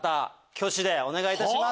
挙手でお願いします。